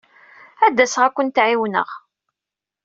Ad d-asaɣ ad kent-ɛiwneɣ.